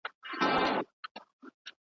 اسمان نیولي سترګي دي برندي .